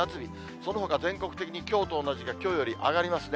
そのほか全国的にきょうと同じかきょうより上がりますね。